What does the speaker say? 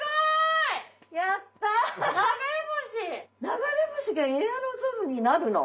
流れ星がエアロゾルになるの？